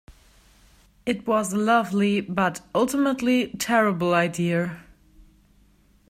It was a lovely but ultimately terrible idea.